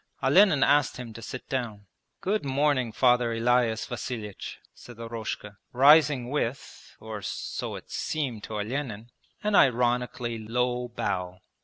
Olenin asked him to sit down. 'Good morning. Father Elias Vasilich,' said Eroshka, rising with (or so it seemed to Olenin) an ironically low bow.